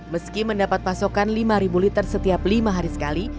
meski mendapat pasokan lima liter setiap lima hari sekali